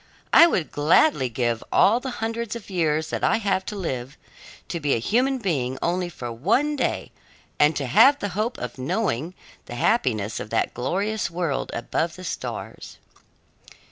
"I would gladly give all the hundreds of years that I have to live, to be a human being only for one day and to have the hope of knowing the happiness of that glorious world above the stars."